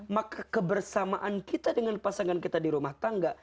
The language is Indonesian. maka kebersamaan kita dengan pasangan kita di rumah tangga